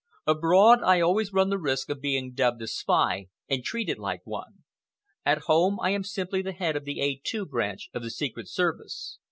"Abroad, I run always the risk of being dubbed a spy and treated like one. At home, I am simply the head of the A2 Branch of the Secret Service.